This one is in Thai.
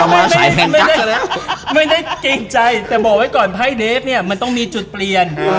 ไม่ไม่ได้จริงใจแต่บอกไว้ก่อนไภไดฟมันต้องมีจุดเปลี่ยน